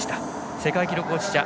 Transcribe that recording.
世界記録保持者